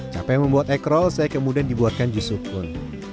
capek membuat ekrol saya kemudian dibuatkan jus sukun